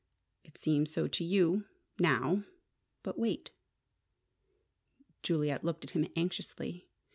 "It seems so to you now. But wait." Juliet looked at him anxiously.